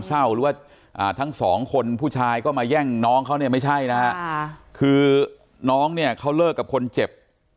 เศร้าหรือว่าทั้งสองคนผู้ชายก็มาแย่งน้องเขาเนี่ยไม่ใช่นะฮะคือน้องเนี่ยเขาเลิกกับคนเจ็บ